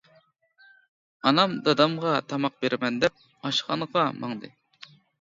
ئانام دادامغا تاماق بېرىمەن دەپ ئاشخانىغا ماڭدى.